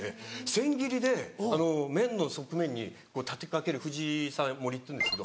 千切りで麺の側面に立て掛ける富士山盛りっていうんですけど。